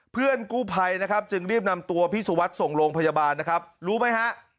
เพื่อนกู้ภัยนะครับจึงรีบนำตัวพี่สุวัสดิ์ส่งโรงพยาบาลนะครับรู้ไหมฮะ